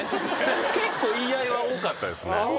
結構言い合いは多かったですね。